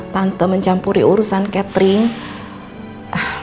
tante mencampuri urusan catherine